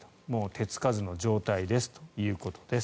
手付かずの状態ですということです。